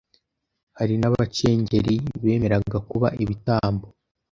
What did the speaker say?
hari n’abacengeri bemeraga kuba ibitambo,